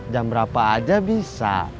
jam berapa aja bisa